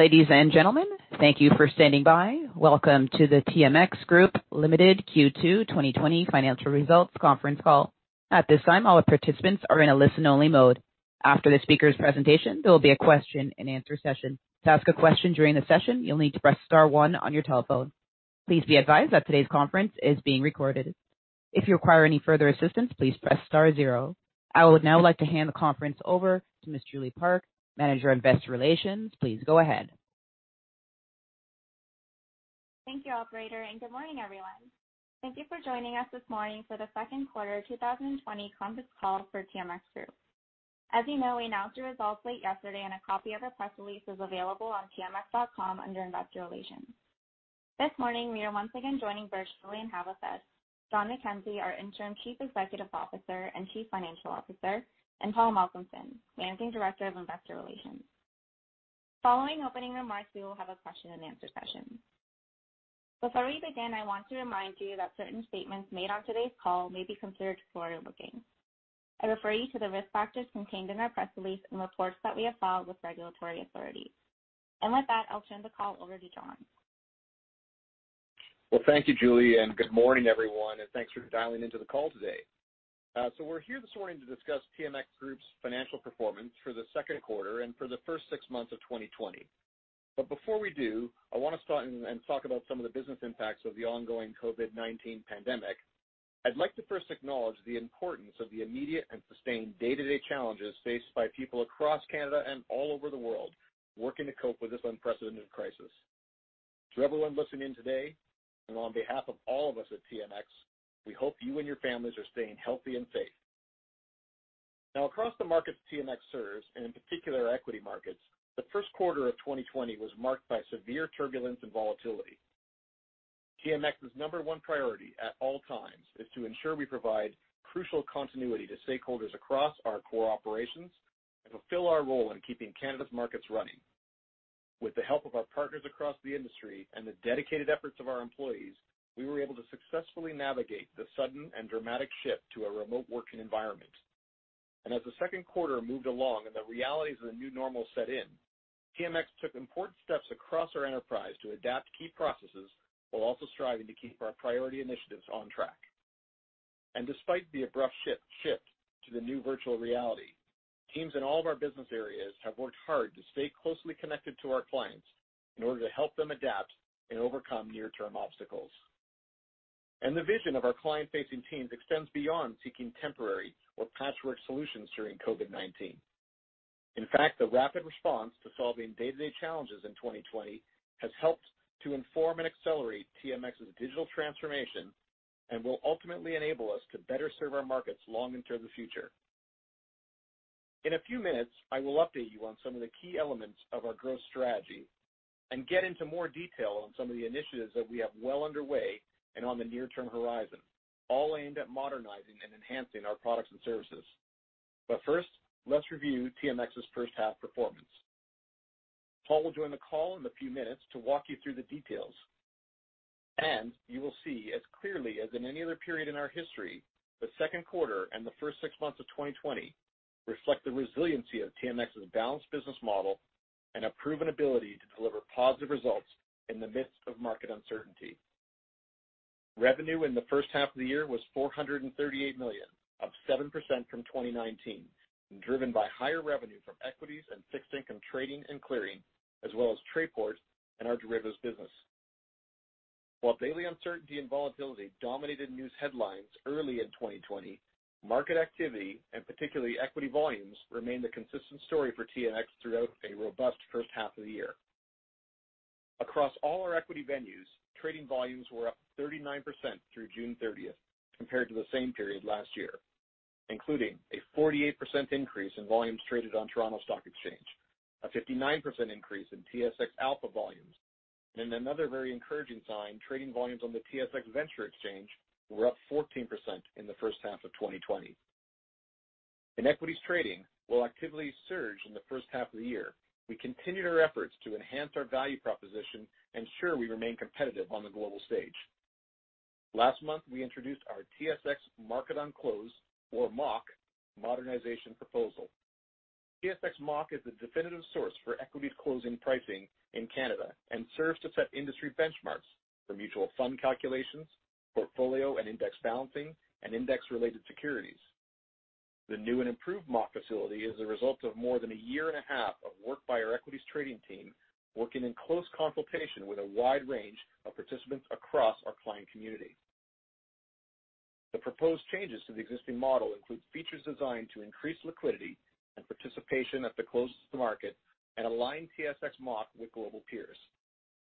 Ladies and gentlemen, thank you for standing by. Welcome to the TMX Group Limited Q2 2020 financial results conference call. At this time, all participants are in a listen-only mode. After the speaker's presentation, there will be a question-and-answer session. To ask a question during the session, you'll need to press star one on your telephone. Please be advised that today's conference is being recorded. If you require any further assistance, please press star zero. I would now like to hand the conference over to Ms. Julie Park, Manager of Investor Relations. Please go ahead. Thank you, Operator, and good morning, everyone. Thank you for joining us this morning for the second quarter 2020 conference call for TMX Group. As you know, we announced the results late yesterday, and a copy of our press release is available on tmx.com under Investor Relations. This morning, we are once again joining virtually and have with us John McKenzie, our Interim Chief Executive Officer and Chief Financial Officer, and Paul Malcolmson, Managing Director of Investor Relations. Following opening remarks, we will have a question-and-answer session. Before we begin, I want to remind you that certain statements made on today's call may be considered forward-looking. I refer you to the risk factors contained in our press release and reports that we have filed with regulatory authorities. With that, I'll turn the call over to John. Thank you, Julie, and good morning, everyone, and thanks for dialing into the call today. We are here this morning to discuss TMX Group's financial performance for the second quarter and for the first six months of 2020. Before we do, I want to start and talk about some of the business impacts of the ongoing COVID-19 pandemic. I'd like to first acknowledge the importance of the immediate and sustained day-to-day challenges faced by people across Canada and all over the world working to cope with this unprecedented crisis. To everyone listening today, and on behalf of all of us at TMX, we hope you and your families are staying healthy and safe. Now, across the markets TMX serves, and in particular equity markets, the first quarter of 2020 was marked by severe turbulence and volatility. TMX's number one priority at all times is to ensure we provide crucial continuity to stakeholders across our core operations and fulfill our role in keeping Canada's markets running. With the help of our partners across the industry and the dedicated efforts of our employees, we were able to successfully navigate the sudden and dramatic shift to a remote working environment. As the second quarter moved along and the realities of the new normal set in, TMX took important steps across our enterprise to adapt key processes while also striving to keep our priority initiatives on track. Despite the abrupt shift to the new virtual reality, teams in all of our business areas have worked hard to stay closely connected to our clients in order to help them adapt and overcome near-term obstacles. The vision of our client-facing teams extends beyond seeking temporary or patchwork solutions during COVID-19. In fact, the rapid response to solving day-to-day challenges in 2020 has helped to inform and accelerate TMX's digital transformation and will ultimately enable us to better serve our markets long into the future. In a few minutes, I will update you on some of the key elements of our growth strategy and get into more detail on some of the initiatives that we have well underway and on the near-term horizon, all aimed at modernizing and enhancing our products and services. First, let's review TMX's first-half performance. Paul will join the call in a few minutes to walk you through the details, and you will see as clearly as in any other period in our history, the second quarter and the first six months of 2020 reflect the resiliency of TMX's balanced business model and a proven ability to deliver positive results in the midst of market uncertainty. Revenue in the first half of the year was 438 million, up 7% from 2019, driven by higher revenue from equities and fixed income trading and clearing, as well as Tradeport and our derivatives business. While daily uncertainty and volatility dominated news headlines early in 2020, market activity, and particularly equity volumes, remained the consistent story for TMX throughout a robust first half of the year. Across all our equity venues, trading volumes were up 39% through June 30 compared to the same period last year, including a 48% increase in volumes traded on Toronto Stock Exchange, a 59% increase in TSX Alpha volumes, and another very encouraging sign, trading volumes on the TSX Venture Exchange were up 14% in the first half of 2020. In equities trading, while activity surged in the first half of the year, we continued our efforts to enhance our value proposition and ensure we remain competitive on the global stage. Last month, we introduced our TSX Market on Close, or MOC, modernization proposal. TSX MOC is the definitive source for equities closing pricing in Canada and serves to set industry benchmarks for mutual fund calculations, portfolio and index balancing, and index-related securities. The new and improved MOC facility is the result of more than a year and a half of work by our equities trading team working in close consultation with a wide range of participants across our client community. The proposed changes to the existing model include features designed to increase liquidity and participation at the closest to market and align TSX MOC with global peers.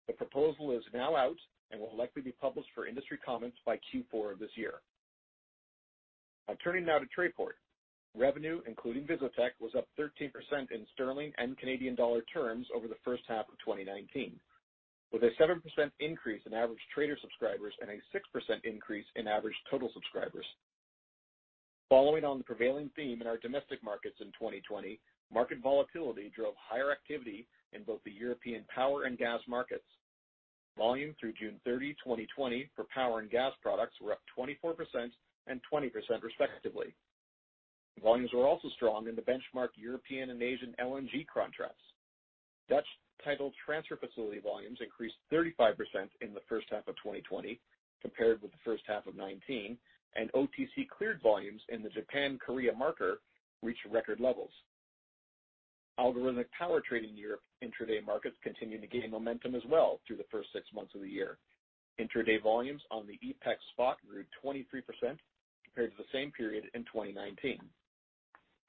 The proposal is now out and will likely be published for industry comments by Q4 of this year. Now, turning now to Tradeport, revenue, including VisoTech, was up 13% in sterling and Canadian dollar terms over the first half of 2019, with a 7% increase in average trader subscribers and a 6% increase in average total subscribers. Following on the prevailing theme in our domestic markets in 2020, market volatility drove higher activity in both the European power and gas markets. Volume through June 30, 2020, for power and gas products were up 24% and 20% respectively. Volumes were also strong in the benchmark European and Asian LNG contracts. Dutch Title Transfer Facility volumes increased 35% in the first half of 2020 compared with the first half of 2019, and OTC cleared volumes in the Japan-Korea marker reached record levels. Algorithmic power trading in Europe intraday markets continued to gain momentum as well through the first six months of the year. Intraday volumes on the EPEX Spot grew 23% compared to the same period in 2019.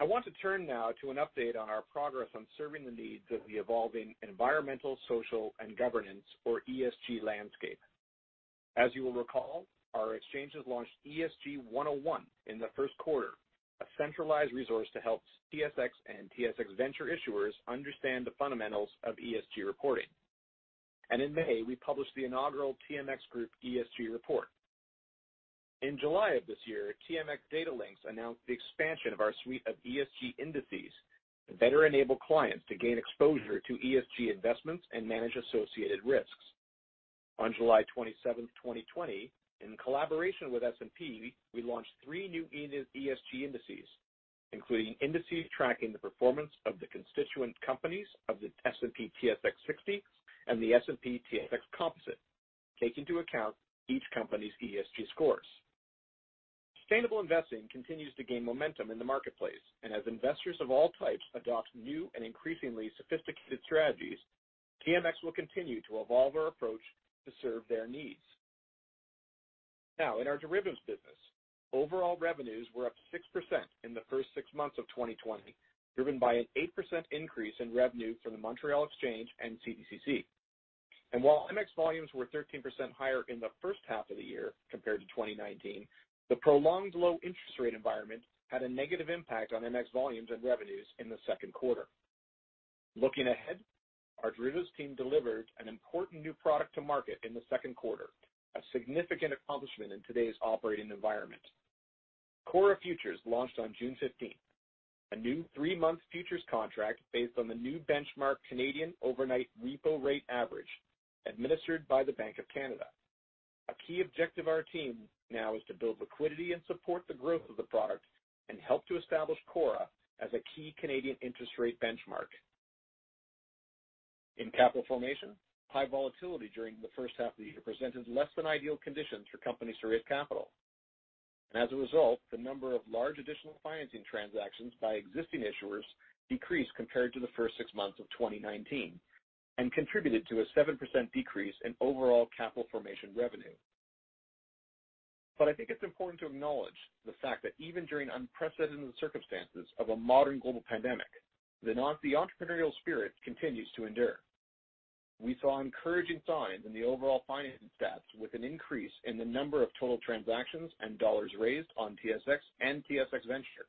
I want to turn now to an update on our progress on serving the needs of the evolving environmental, social, and governance, or ESG, landscape. As you will recall, our exchanges launched ESG 101 in the first quarter, a centralized resource to help TSX and TSX Venture issuers understand the fundamentals of ESG reporting. In May, we published the inaugural TMX Group ESG report. In July of this year, TMX Datalinx announced the expansion of our suite of ESG indices that better enable clients to gain exposure to ESG investments and manage associated risks. On July 27, 2020, in collaboration with S&P, we launched three new ESG indices, including indices tracking the performance of the constituent companies of the S&P TSX 60 and the S&P TSX Composite, taking into account each company's ESG scores. Sustainable investing continues to gain momentum in the marketplace, and as investors of all types adopt new and increasingly sophisticated strategies, TMX will continue to evolve our approach to serve their needs. In our derivatives business, overall revenues were up 6% in the first six months of 2020, driven by an 8% increase in revenue from the Montréal Exchange and CDCC. While MX volumes were 13% higher in the first half of the year compared to 2019, the prolonged low interest rate environment had a negative impact on MX volumes and revenues in the second quarter. Looking ahead, our derivatives team delivered an important new product to market in the second quarter, a significant accomplishment in today's operating environment. CORRA Futures launched on June 15, a new three-month futures contract based on the new benchmark Canadian Overnight Repo Rate Average administered by the Bank of Canada. A key objective of our team now is to build liquidity and support the growth of the product and help to establish Cora as a key Canadian interest rate benchmark. In capital formation, high volatility during the first half of the year presented less than ideal conditions for companies to raise capital. As a result, the number of large additional financing transactions by existing issuers decreased compared to the first six months of 2019 and contributed to a 7% decrease in overall capital formation revenue. I think it's important to acknowledge the fact that even during unprecedented circumstances of a modern global pandemic, the entrepreneurial spirit continues to endure. We saw encouraging signs in the overall financing stats with an increase in the number of total transactions and dollars raised on TSX and TSX Venture.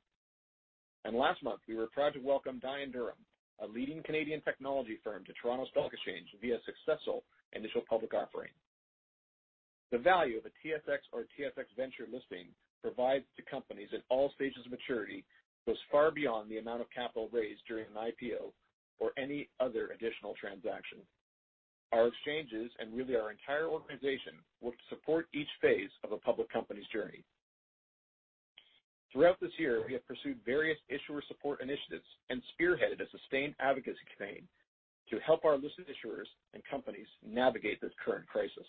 Last month, we were proud to welcome Dion Durham, a leading Canadian technology firm, to Toronto Stock Exchange via a successful initial public offering. The value a TSX or TSX Venture listing provides to companies at all stages of maturity goes far beyond the amount of capital raised during an IPO or any other additional transaction. Our exchanges and really our entire organization work to support each phase of a public company's journey. Throughout this year, we have pursued various issuer support initiatives and spearheaded a sustained advocacy campaign to help our listed issuers and companies navigate this current crisis.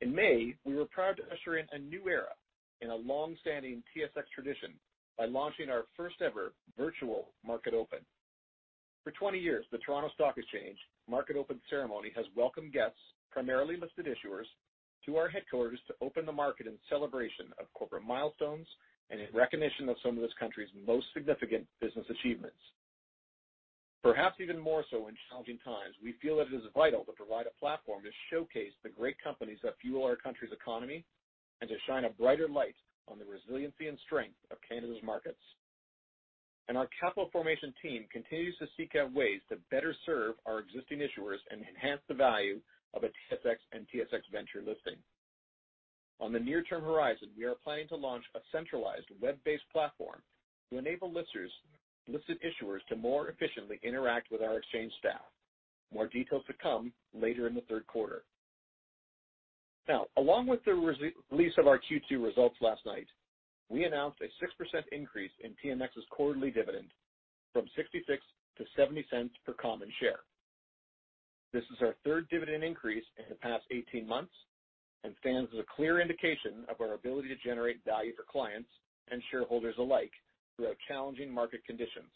In May, we were proud to usher in a new era in a long-standing TSX tradition by launching our first-ever virtual market open. For 20 years, the Toronto Stock Exchange market open ceremony has welcomed guests, primarily listed issuers, to our headquarters to open the market in celebration of corporate milestones and in recognition of some of this country's most significant business achievements. Perhaps even more so in challenging times, we feel that it is vital to provide a platform to showcase the great companies that fuel our country's economy and to shine a brighter light on the resiliency and strength of Canada's markets. Our capital formation team continues to seek out ways to better serve our existing issuers and enhance the value of a TSX and TSX Venture listing. On the near-term horizon, we are planning to launch a centralized web-based platform to enable listed issuers to more efficiently interact with our exchange staff. More details to come later in the third quarter. Along with the release of our Q2 results last night, we announced a 6% increase in TMX's quarterly dividend from 0.66 to 0.70 per common share. This is our third dividend increase in the past 18 months and stands as a clear indication of our ability to generate value for clients and shareholders alike throughout challenging market conditions.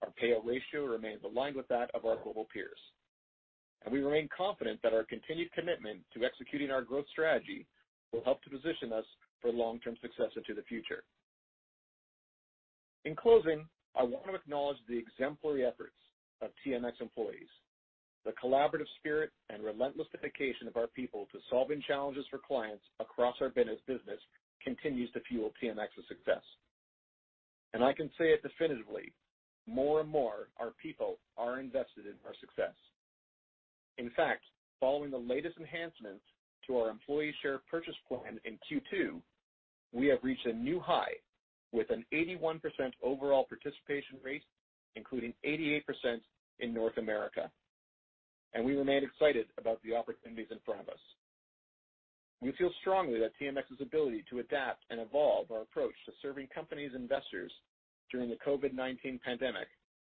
Our payout ratio remains aligned with that of our global peers. We remain confident that our continued commitment to executing our growth strategy will help to position us for long-term success into the future. In closing, I want to acknowledge the exemplary efforts of TMX employees. The collaborative spirit and relentless dedication of our people to solving challenges for clients across our business continues to fuel TMX's success. I can say it definitively, more and more our people are invested in our success. In fact, following the latest enhancement to our employee share purchase plan in Q2, we have reached a new high with an 81% overall participation rate, including 88% in North America. We remain excited about the opportunities in front of us. We feel strongly that TMX's ability to adapt and evolve our approach to serving companies and investors during the COVID-19 pandemic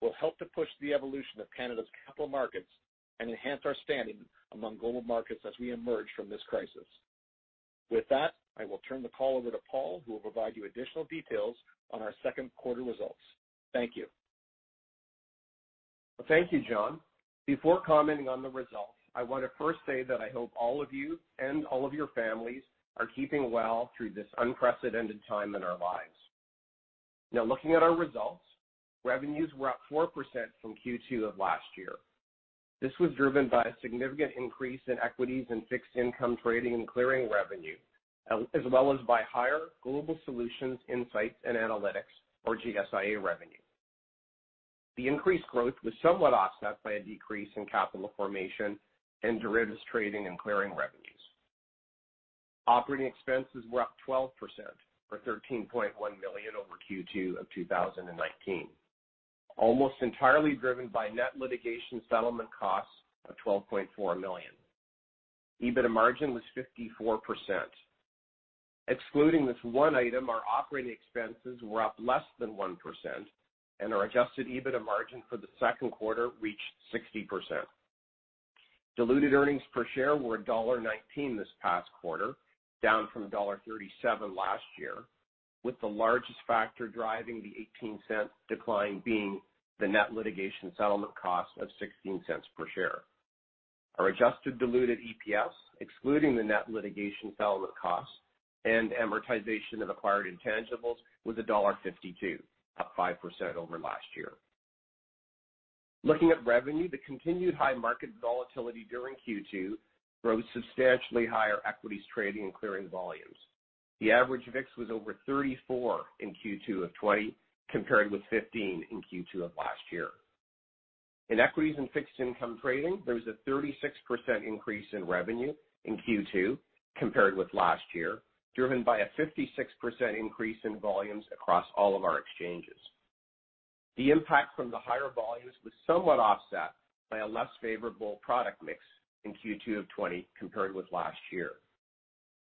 will help to push the evolution of Canada's capital markets and enhance our standing among global markets as we emerge from this crisis. With that, I will turn the call over to Paul, who will provide you additional details on our second quarter results. Thank you. Thank you, John. Before commenting on the results, I want to first say that I hope all of you and all of your families are keeping well through this unprecedented time in our lives. Now, looking at our results, revenues were up 4% from Q2 of last year. This was driven by a significant increase in equities and fixed income trading and clearing revenue, as well as by higher Global Solutions, Insights, and Analytics, or GSIA, revenue. The increased growth was somewhat offset by a decrease in capital formation and derivatives trading and clearing revenues. Operating expenses were up 12%, or 13.1 million over Q2 of 2019, almost entirely driven by net litigation settlement costs of 12.4 million. EBITDA margin was 54%. Excluding this one item, our operating expenses were up less than 1%, and our adjusted EBITDA margin for the second quarter reached 60%. Diluted earnings per share were $1.19 this past quarter, down from $1.37 last year, with the largest factor driving the 18-cent decline being the net litigation settlement cost of $0.16 per share. Our adjusted diluted EPS, excluding the net litigation settlement cost and amortization of acquired intangibles, was $1.52, up 5% over last year. Looking at revenue, the continued high market volatility during Q2 drove substantially higher equities trading and clearing volumes. The average VIX was over 34 in Q2 of 2020, compared with 15 in Q2 of last year. In equities and fixed income trading, there was a 36% increase in revenue in Q2 compared with last year, driven by a 56% increase in volumes across all of our exchanges. The impact from the higher volumes was somewhat offset by a less favorable product mix in Q2 of 2020 compared with last year.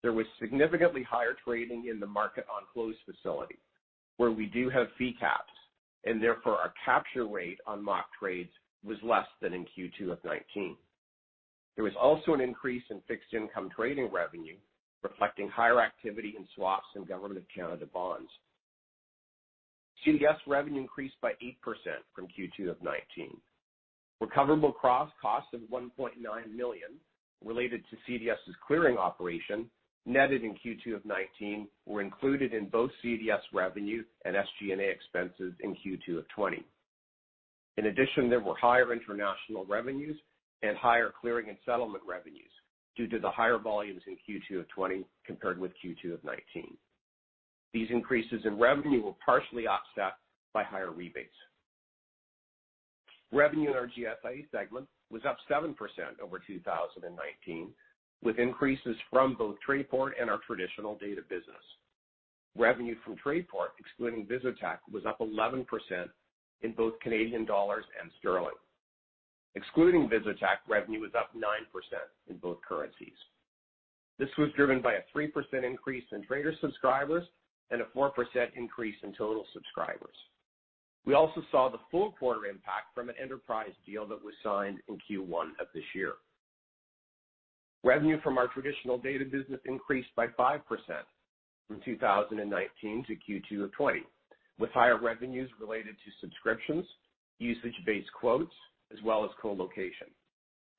There was significantly higher trading in the Market on Close facility, where we do have fee caps, and therefore our capture rate on MOC trades was less than in Q2 of 2019. There was also an increase in fixed income trading revenue, reflecting higher activity in swaps and Government of Canada bonds. CDS revenue increased by 8% from Q2 of 2019. Recoverable cross costs of 1.9 million related to CDS's clearing operation, netted in Q2 of 2019, were included in both CDS revenue and SG&A expenses in Q2 of 2020. In addition, there were higher international revenues and higher clearing and settlement revenues due to the higher volumes in Q2 of 2020 compared with Q2 of 2019. These increases in revenue were partially offset by higher rebates. Revenue in our GSIA segment was up 7% over 2019, with increases from both Tradeport and our traditional data business. Revenue from Tradeport, excluding VisoTech, was up 11% in both Canadian dollars and sterling. Excluding VisoTech, revenue was up 9% in both currencies. This was driven by a 3% increase in trader subscribers and a 4% increase in total subscribers. We also saw the full quarter impact from an enterprise deal that was signed in Q1 of this year. Revenue from our traditional data business increased by 5% from 2019 to Q2 of 2020, with higher revenues related to subscriptions, usage-based quotes, as well as colocation,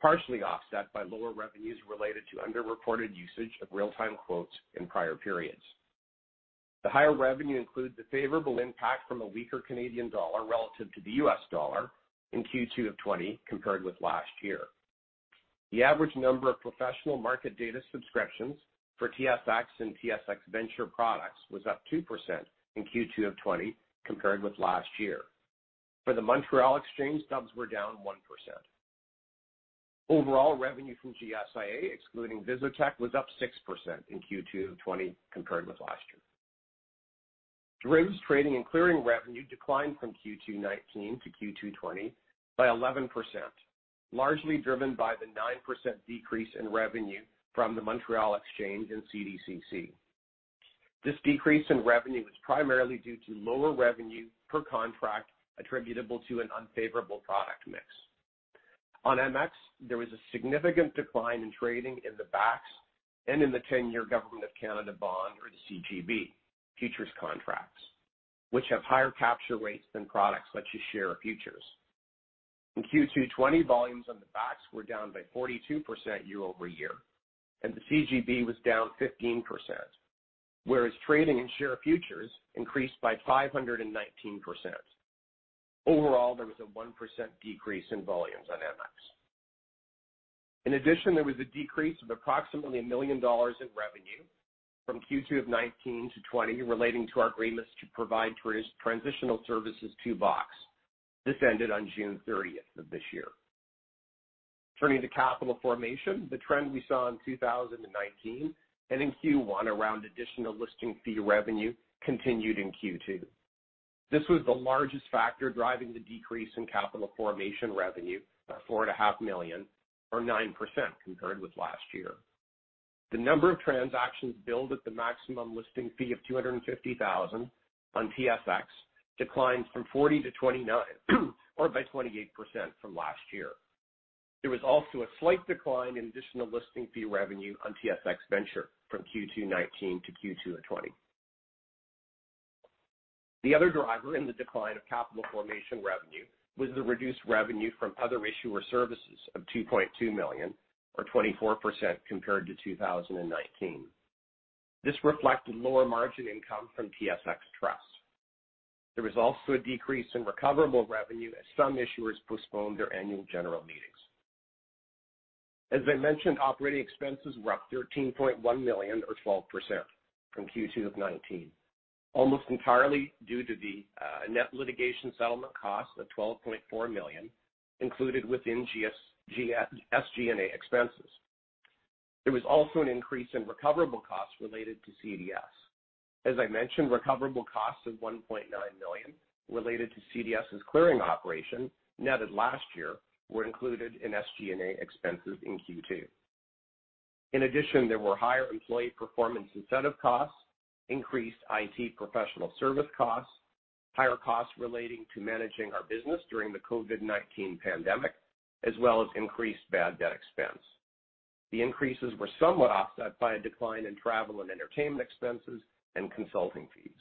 partially offset by lower revenues related to underreported usage of real-time quotes in prior periods. The higher revenue includes a favorable impact from a weaker Canadian dollar relative to the US dollar in Q2 of 2020 compared with last year. The average number of professional market data subscriptions for TSX and TSX Venture products was up 2% in Q2 of 2020 compared with last year. For the Montréal Exchange, dubs were down 1%. Overall revenue from GSIA, excluding VisoTech, was up 6% in Q2 of 2020 compared with last year. Derivatives trading and clearing revenue declined from Q2 2019 to Q2 2020 by 11%, largely driven by the 9% decrease in revenue from the Montréal Exchange and CDCC. This decrease in revenue was primarily due to lower revenue per contract attributable to an unfavorable product mix. On MX, there was a significant decline in trading in the BACs and in the 10-year Government of Canada Bond, or the CGB, futures contracts, which have higher capture rates than products such as share of futures. In Q2 2020, volumes on the BACs were down by 42% year-over-year, and the CGB was down 15%, whereas trading in share of futures increased by 519%. Overall, there was a 1% decrease in volumes on MX. In addition, there was a decrease of approximately 1 million dollars in revenue from Q2 of 2019 to 2020 relating to our agreements to provide transitional services to BMO Capital Markets. This ended on June 30 of this year. Turning to capital formation, the trend we saw in 2019 and in Q1 around additional listing fee revenue continued in Q2. This was the largest factor driving the decrease in capital formation revenue of 4.5 million, or 9% compared with last year. The number of transactions billed at the maximum listing fee of 250,000 on TSX declined from 40 to 29, or by 28% from last year. There was also a slight decline in additional listing fee revenue on TSX Venture from Q2 2019 to Q2 of 2020. The other driver in the decline of capital formation revenue was the reduced revenue from other issuer services of 2.2 million, or 24% compared to 2019. This reflected lower margin income from TSX Trust. There was also a decrease in recoverable revenue as some issuers postponed their annual general meetings. As I mentioned, operating expenses were up 13.1 million, or 12%, from Q2 of 2019, almost entirely due to the net litigation settlement cost of 12.4 million, included within SG&A expenses. There was also an increase in recoverable costs related to CDS. As I mentioned, recoverable costs of 1.9 million related to CDS's clearing operation, netted last year, were included in SG&A expenses in Q2. In addition, there were higher employee performance incentive costs, increased IT professional service costs, higher costs relating to managing our business during the COVID-19 pandemic, as well as increased bad debt expense. The increases were somewhat offset by a decline in travel and entertainment expenses and consulting fees.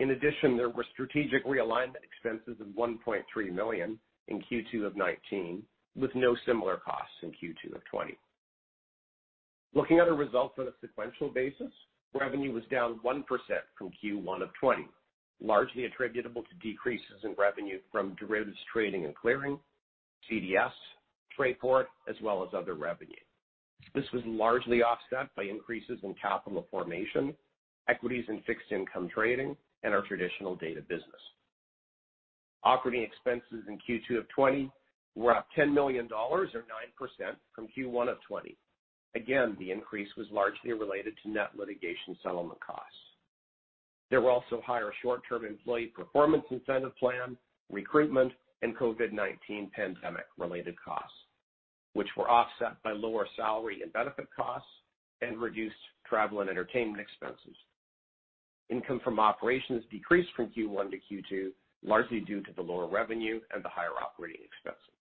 In addition, there were strategic realignment expenses of 1.3 million in Q2 of 2019, with no similar costs in Q2 of 2020. Looking at our results on a sequential basis, revenue was down 1% from Q1 of 2020, largely attributable to decreases in revenue from derivatives trading and clearing, CDS, Tradeport, as well as other revenue. This was largely offset by increases in capital formation, equities and fixed income trading, and our traditional data business. Operating expenses in Q2 of 2020 were up 10 million dollars, or 9%, from Q1 of 2020. Again, the increase was largely related to net litigation settlement costs. There were also higher short-term employee performance incentive plan, recruitment, and COVID-19 pandemic-related costs, which were offset by lower salary and benefit costs and reduced travel and entertainment expenses. Income from operations decreased from Q1-Q2, largely due to the lower revenue and the higher operating expenses.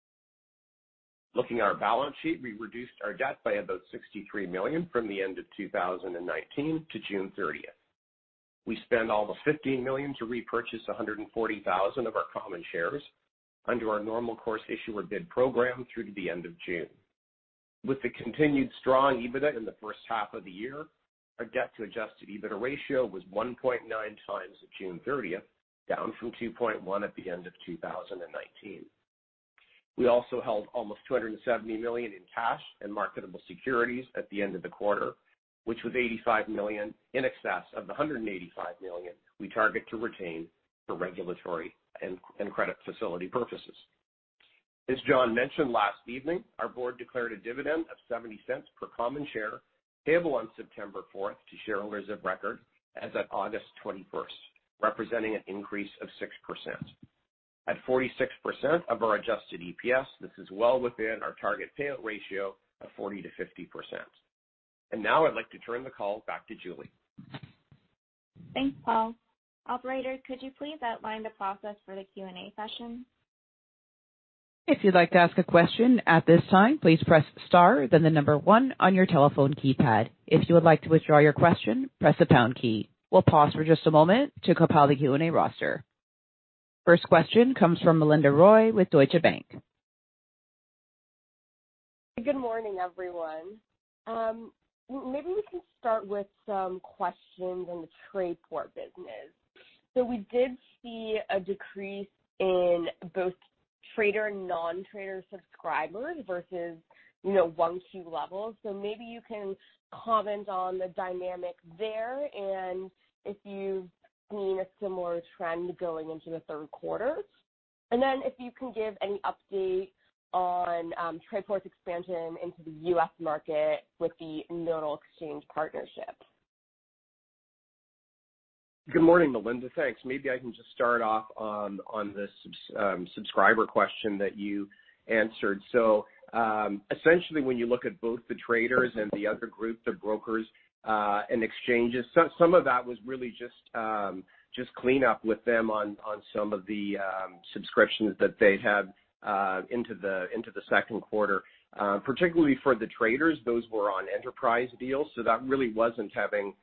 Looking at our balance sheet, we reduced our debt by about 63 million from the end of 2019 to June 30. We spent all the 15 million to repurchase 140,000 of our common shares under our normal course issuer bid program through to the end of June. With the continued strong EBITDA in the first half of the year, our debt-to-adjusted EBITDA ratio was 1.9x June 30, down from 2.1 at the end of 2019. We also held almost 270 million in cash and marketable securities at the end of the quarter, which was 85 million in excess of the 185 million we target to retain for regulatory and credit facility purposes. As John mentioned last evening, our board declared a dividend of 0.70 per common share payable on September 4 to shareholders of record as of August 21, representing an increase of 6%. At 46% of our adjusted EPS, this is well within our target payout ratio of 40%-50%. I would like to turn the call back to Julie. Thanks, Paul. Operator, could you please outline the process for the Q&A session? If you would like to ask a question at this time, please press star, then the number one on your telephone keypad. If you would like to withdraw your question, press the pound key. We will pause for just a moment to compile the Q&A roster. The first question comes from Melinda Roy with Deutsche Bank. Good morning, everyone. Maybe we can start with some questions on the Tradeport business. We did see a decrease in both trader and non-trader subscribers versus Q1 levels. Maybe you can comment on the dynamic there and if you have seen a similar trend going into the third quarter. If you can give any update on Tradeport's expansion into the U.S. market with the Nodal Exchange partnership. Good morning, Melinda. Thanks. Maybe I can just start off on the subscriber question that you answered. Essentially, when you look at both the traders and the other group, the brokers and exchanges, some of that was really just cleanup with them on some of the subscriptions that they'd have into the second quarter. Particularly for the traders, those were on enterprise deals. That really was not having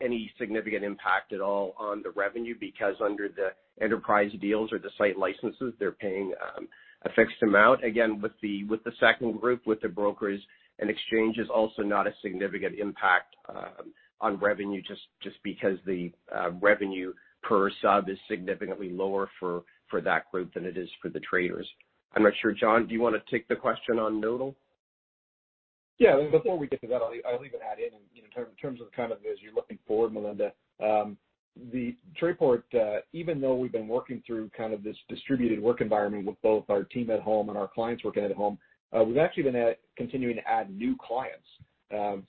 any significant impact at all on the revenue because under the enterprise deals or the site licenses, they are paying a fixed amount. Again, with the second group, with the brokers and exchanges, also not a significant impact on revenue just because the revenue per sub is significantly lower for that group than it is for the traders. I'm not sure, John, do you want to take the question on Nodal? Yeah. Before we get to that, I'll leave a hat in. In terms of kind of as you're looking forward, Melinda, the Tradeport, even though we've been working through kind of this distributed work environment with both our team at home and our clients working at home, we've actually been continuing to add new clients.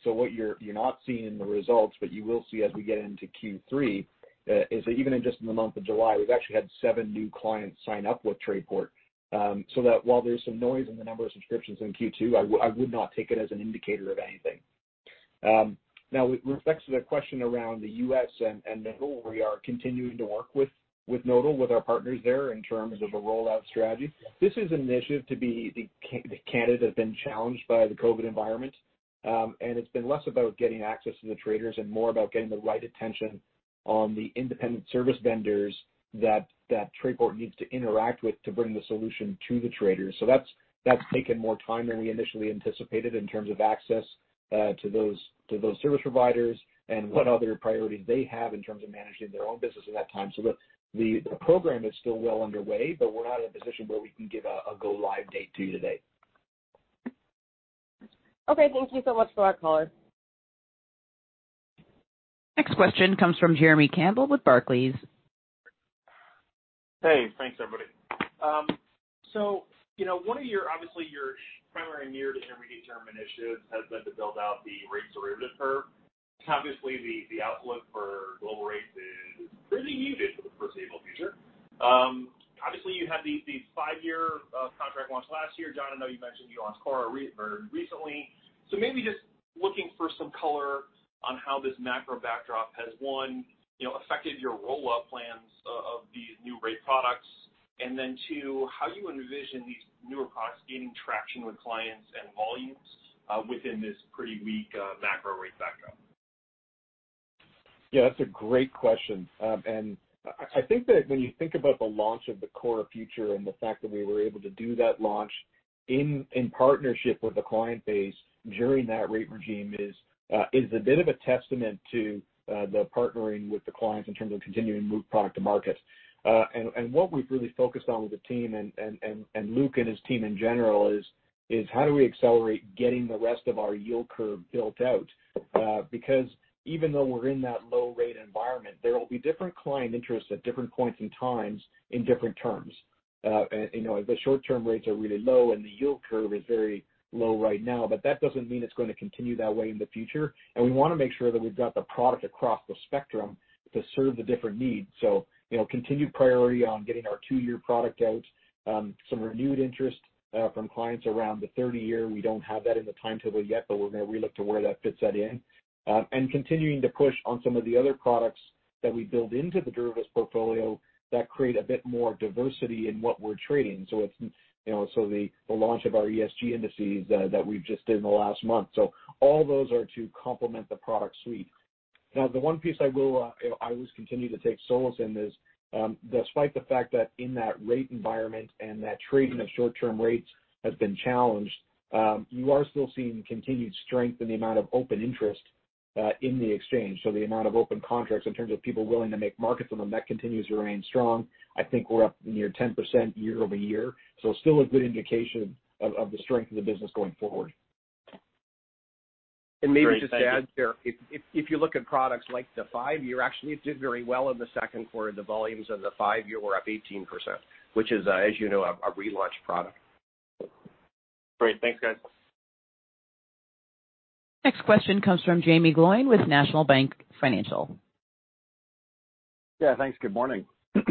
What you're not seeing in the results, but you will see as we get into Q3, is that even in just the month of July, we've actually had seven new clients sign up with Tradeport. While there's some noise in the number of subscriptions in Q2, I would not take it as an indicator of anything. Now, with respect to the question around the U.S. and Nodal, we are continuing to work with Nodal, with our partners there in terms of a rollout strategy. This is an initiative to be the candidate has been challenged by the COVID environment. It has been less about getting access to the traders and more about getting the right attention on the independent service vendors that Tradeport needs to interact with to bring the solution to the traders. That has taken more time than we initially anticipated in terms of access to those service providers and what other priorities they have in terms of managing their own business at that time. The program is still well underway, but we are not in a position where we can give a go-live date to you today. Thank you so much for our callers. Next question comes from Jeremy Campbell with Barclays. Hey. Thanks, everybody. One of your, obviously, your primary near-to-intermediate-term initiatives has been to build out the rates derivative curve. Obviously, the outlook for global rates is pretty muted for the foreseeable future. Obviously, you had these five-year contract launch last year. John, I know you mentioned you launched Cora recently. Maybe just looking for some color on how this macro backdrop has, one, affected your rollout plans of these new rate products, and then, two, how you envision these newer products gaining traction with clients and volumes within this pretty weak macro rate backdrop. Yeah. That's a great question. I think that when you think about the launch of the Cora future and the fact that we were able to do that launch in partnership with the client base during that rate regime is a bit of a testament to the partnering with the clients in terms of continuing to move product to market. What we've really focused on with the team and Luke and his team in general is how do we accelerate getting the rest of our yield curve built out? Because even though we're in that low-rate environment, there will be different client interests at different points in time in different terms. The short-term rates are really low, and the yield curve is very low right now, but that doesn't mean it's going to continue that way in the future. We want to make sure that we've got the product across the spectrum to serve the different needs. Continued priority on getting our two-year product out, some renewed interest from clients around the 30-year. We don't have that in the timetable yet, but we're going to relook to where that fits in. Continuing to push on some of the other products that we build into the derivatives portfolio that create a bit more diversity in what we're trading. The launch of our ESG indices that we've just did in the last month. All those are to complement the product suite. Now, the one piece I will always continue to take solace in is, despite the fact that in that rate environment and that trading of short-term rates has been challenged, you are still seeing continued strength in the amount of open interest in the exchange. The amount of open contracts in terms of people willing to make markets on them, that continues to remain strong. I think we're up near 10% year over year. Still a good indication of the strength of the business going forward. Maybe just to add there, if you look at products like the five-year, actually it did very well in the second quarter. The volumes of the five-year were up 18%, which is, as you know, a relaunch product. Great. Thanks, guys. Next question comes from Jaeme Gloyn with National Bank Financial. Yeah. Thanks. Good morning. Good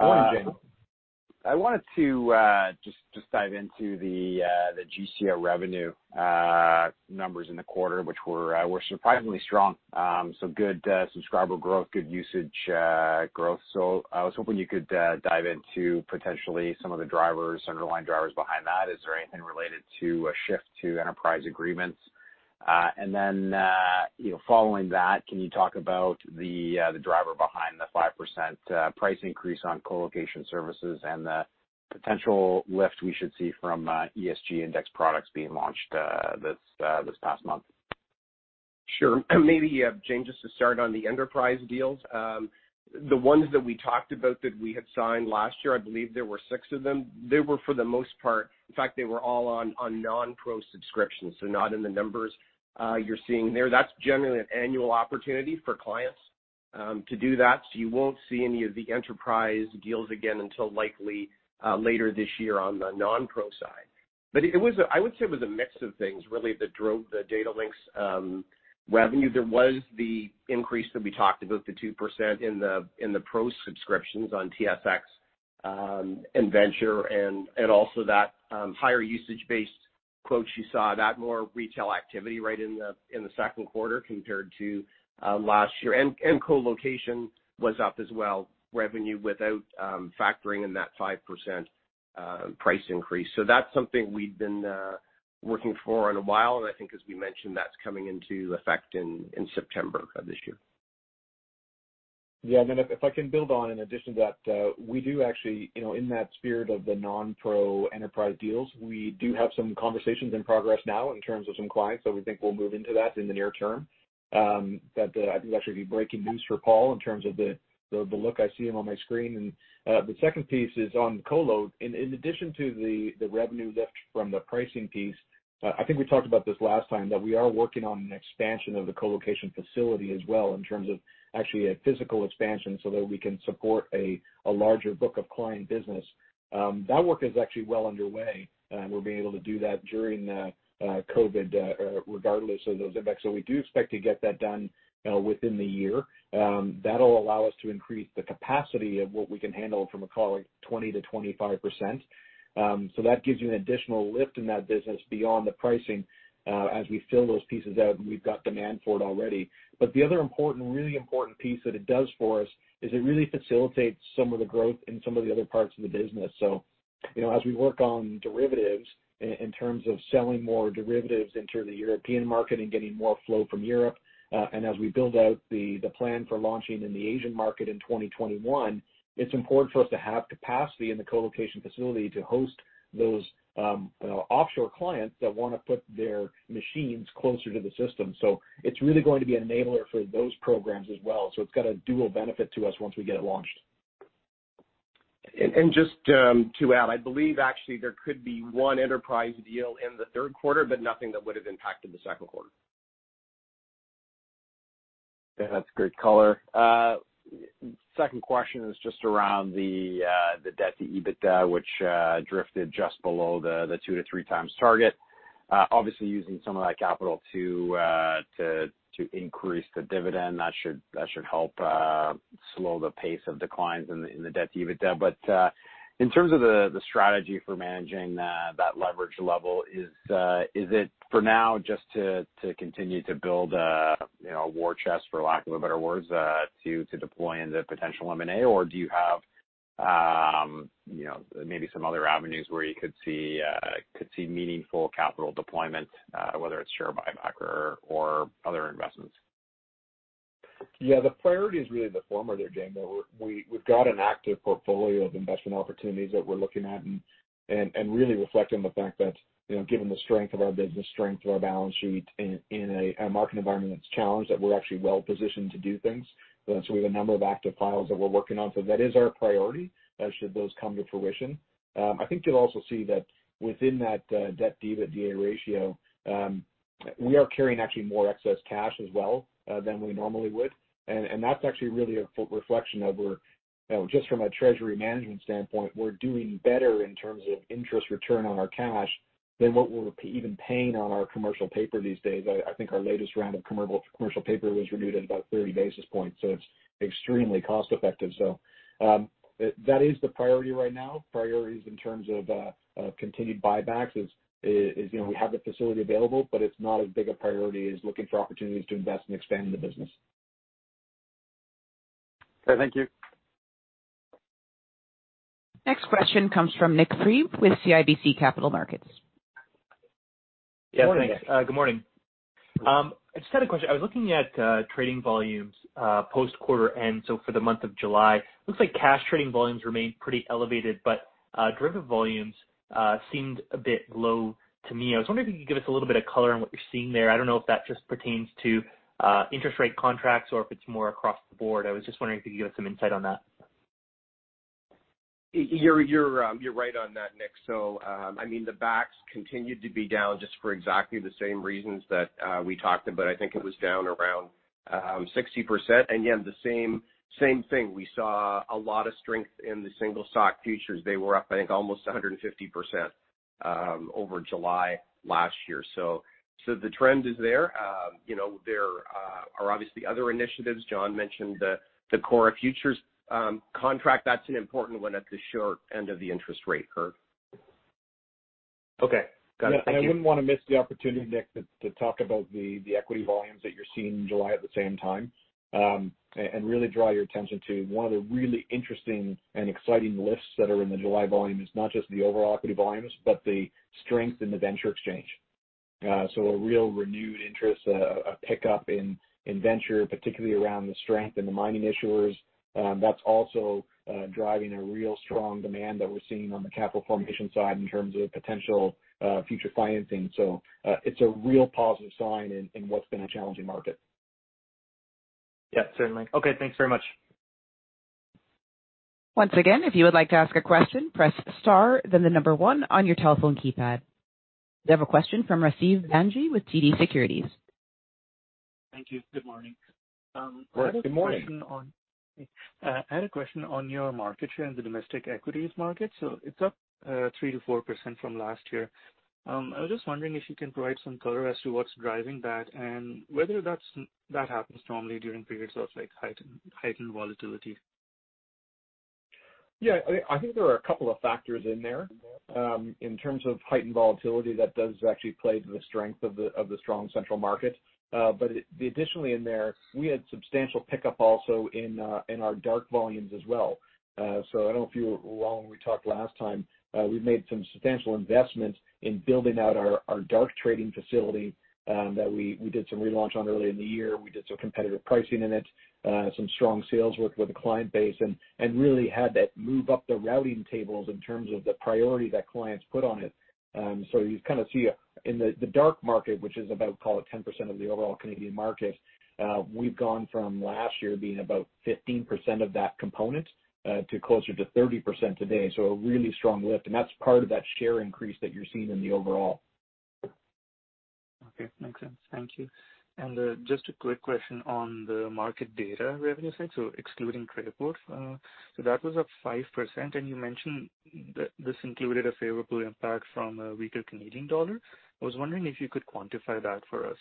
morning, Jaeme. I wanted to just dive into the GSIA revenue numbers in the quarter, which were surprisingly strong. Good subscriber growth, good usage growth. I was hoping you could dive into potentially some of the drivers, underlying drivers behind that. Is there anything related to a shift to enterprise agreements? Following that, can you talk about the driver behind the 5% price increase on colocation services and the potential lift we should see from ESG index products being launched this past month? Sure. Maybe, Jaeme, just to start on the enterprise deals, the ones that we talked about that we had signed last year, I believe there were six of them. They were for the most part, in fact, they were all on non-pro subscriptions. So not in the numbers you're seeing there. That's generally an annual opportunity for clients to do that. You won't see any of the enterprise deals again until likely later this year on the non-pro side. I would say it was a mix of things really that drove the DataLynx revenue. There was the increase that we talked about, the 2% in the pro subscriptions on TSX and venture, and also that higher usage-based quote you saw, that more retail activity right in the second quarter compared to last year. Colocation was up as well, revenue without factoring in that 5% price increase. That's something we've been working for in a while. I think, as we mentioned, that's coming into effect in September of this year. Yeah. If I can build on, in addition to that, we do actually, in that spirit of the non-pro enterprise deals, have some conversations in progress now in terms of some clients. We think we'll move into that in the near term. I think that should be breaking news for Paul in terms of the look I see on my screen. The second piece is on colo. In addition to the revenue lift from the pricing piece, I think we talked about this last time, that we are working on an expansion of the colocation facility as well in terms of actually a physical expansion so that we can support a larger book of client business. That work is actually well underway. We're being able to do that during COVID, regardless of those effects. We do expect to get that done within the year. That'll allow us to increase the capacity of what we can handle from a colleague 20%-25%. That gives you an additional lift in that business beyond the pricing as we fill those pieces out, and we've got demand for it already. The other important, really important piece that it does for us is it really facilitates some of the growth in some of the other parts of the business. As we work on derivatives in terms of selling more derivatives into the European market and getting more flow from Europe, and as we build out the plan for launching in the Asian market in 2021, it's important for us to have capacity in the colocation facility to host those offshore clients that want to put their machines closer to the system. It's really going to be an enabler for those programs as well. It's got a dual benefit to us once we get it launched. Just to add, I believe actually there could be one enterprise deal in the third quarter, but nothing that would have impacted the second quarter. Yeah. That's great color. Second question is just around the debt to EBITDA, which drifted just below the two to three times target. Obviously, using some of that capital to increase the dividend, that should help slow the pace of declines in the debt to EBITDA. In terms of the strategy for managing that leverage level, is it for now just to continue to build a war chest, for lack of a better word, to deploy into potential M&A, or do you have maybe some other avenues where you could see meaningful capital deployment, whether it's share buyback or other investments? Yeah. The priority is really the former there, James. We've got an active portfolio of investment opportunities that we're looking at and really reflecting the fact that given the strength of our business, strength of our balance sheet in a market environment that's challenged, we're actually well positioned to do things. We have a number of active files that we're working on. That is our priority should those come to fruition. I think you'll also see that within that debt/EBITDA ratio, we are carrying actually more excess cash as well than we normally would. That's actually really a reflection of where just from a treasury management standpoint, we're doing better in terms of interest return on our cash than what we're even paying on our commercial paper these days. I think our latest round of commercial paper was renewed at about 30 basis points. It's extremely cost-effective. That is the priority right now. Priorities in terms of continued buybacks is we have the facility available, but it's not as big a priority as looking for opportunities to invest and expand the business. Okay. Thank you. Next question comes from Nik Priebe with CIBC Capital Markets. Yeah. Thanks. Good morning. Just had a question. I was looking at trading volumes post-quarter end. For the month of July, it looks like cash trading volumes remained pretty elevated, but derivative volumes seemed a bit low to me. I was wondering if you could give us a little bit of color on what you're seeing there. I don't know if that just pertains to interest rate contracts or if it's more across the board. I was just wondering if you could give us some insight on that. You're right on that, Nik. I mean, the BACs continued to be down just for exactly the same reasons that we talked about. I think it was down around 60%. The same thing. We saw a lot of strength in the single stock futures. They were up, I think, almost 150% over July last year. The trend is there. There are obviously other initiatives. John mentioned the CORRA futures contract. That's an important one at the short end of the interest rate curve. Okay. Got it. Thank you. Yeah. I wouldn't want to miss the opportunity, Nik, to talk about the equity volumes that you're seeing in July at the same time and really draw your attention to one of the really interesting and exciting lifts that are in the July volumes, not just the overall equity volumes, but the strength in the venture exchange. A real renewed interest, a pickup in venture, particularly around the strength in the mining issuers. That's also driving a real strong demand that we're seeing on the capital formation side in terms of potential future financing. It's a real positive sign in what's been a challenging market. Yeah. Certainly. Okay. Thanks very much. Once again, if you would like to ask a question, press star, then the number one on your telephone keypad. We have a question from Rasib Bhanji with TD Securities. Thank you. Good morning. Good morning. I had a question on your market share in the domestic equities market. It is up 3-4% from last year. I was just wondering if you can provide some color as to what is driving that and whether that happens normally during periods of heightened volatility. Yeah. I think there are a couple of factors in there. In terms of heightened volatility, that does actually play to the strength of the strong central market. Additionally in there, we had substantial pickup also in our dark volumes as well. I do not know if you were wrong when we talked last time. We've made some substantial investments in building out our dark trading facility that we did some relaunch on early in the year. We did some competitive pricing in it, some strong sales work with the client base, and really had that move up the routing tables in terms of the priority that clients put on it. You kind of see in the dark market, which is about, call it, 10% of the overall Canadian market, we've gone from last year being about 15% of that component to closer to 30% today. A really strong lift. That's part of that share increase that you're seeing in the overall. Okay. Makes sense. Thank you. Just a quick question on the market data revenue side, excluding trade reports. That was up 5%. You mentioned this included a favorable impact from a weaker Canadian dollar. I was wondering if you could quantify that for us.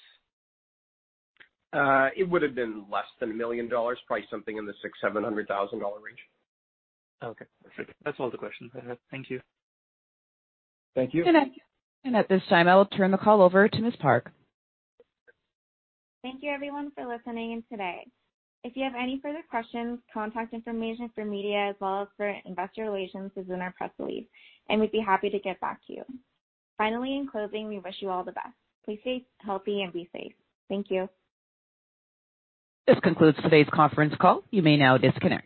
It would have been less than $1 million, probably something in the $600,000-$700,000 range. Okay. Perfect. That's all the questions I have. Thank you. Thank you. At this time, I will turn the call over to Ms. Park. Thank you, everyone, for listening in today. If you have any further questions, contact information for media as well as for investor relations is in our press lead. We would be happy to get back to you. Finally, in closing, we wish you all the best. Please stay healthy and be safe. Thank you. This concludes today's conference call. You may now disconnect.